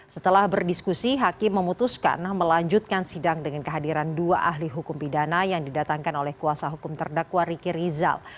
setelah berdiskusi hakim memutuskan melanjutkan sidang dengan kehadiran dua ahli hukum pidana yang didatangkan oleh kuasa hukum terdakwa riki rizal